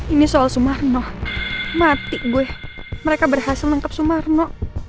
ini soal sumarno mati gue mereka berhasil menangkap sumarno